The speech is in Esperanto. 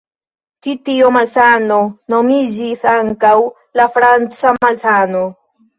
Ĉi tio malsano nomiĝis ankaŭ la "franca malsano".